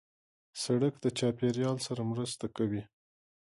سړک د چاپېریال سره مرسته کوي.